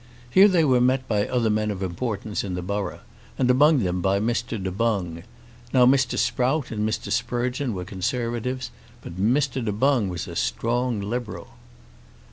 Here they were met by other men of importance in the borough, and among them by Mr. Du Boung. Now Mr. Sprout and Mr. Sprugeon were Conservatives, but Mr. Du Boung was a strong Liberal.